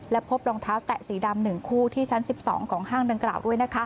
และพบรองเท้าแตะสีดำ๑คู่ที่ชั้น๑๒ของห้างดังกล่าวด้วย